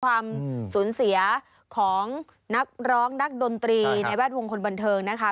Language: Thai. ความสูญเสียของนักร้องนักดนตรีในแวดวงคนบันเทิงนะคะ